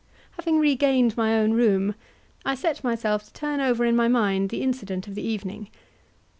Having regained my own room, I set myself to turn over in my mind the incident of the evening.